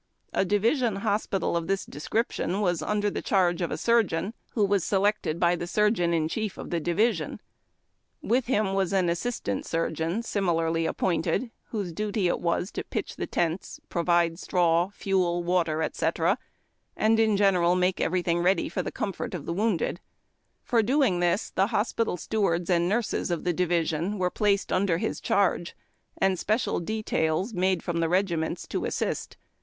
A division hospital of this description was under the charge of a surgeon, who was selected by the surgeon in chief of tlie division. With him was an assistant surgeon, similarly appointed, whose duty it was to pitch the tents, provide straw, fuel, water, etc., and, in general, make everything ready for the comfort of the wounded. For 30r> JIAHJ) TACK AM) COFFEE. doing tliis tlie ]i()S})ital stewards and nurses of tlie division were placed under his cliarge, and special details made from the regiments to assist.